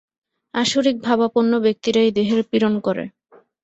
আসুরিক-ভাবাপন্ন ব্যক্তিরাই দেহের পীড়ন করে।